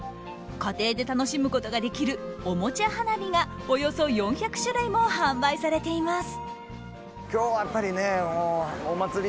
家庭で楽しむことができるおもちゃ花火がおよそ４００種類も販売されています。